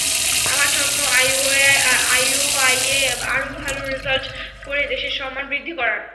আমার স্বপ্ন আইওআইয়ে আরও ভালো রেজাল্ট করে দেশের সম্মান বৃদ্ধি করার।